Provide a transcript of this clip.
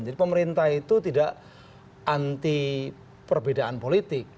jadi pemerintah itu tidak anti perbedaan politik